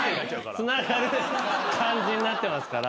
つながる感じになってますから。